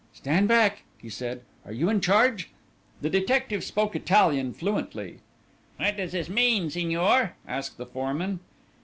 "Stand back," he said. "Are you in charge?" The detective spoke Italian fluently. "What does this mean, signor?" asked the foreman.